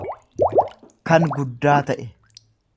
kan guddaa ta'e.